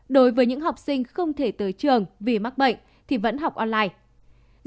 đối với những học sinh không thể tới trường vì mắc bệnh thì vẫn học online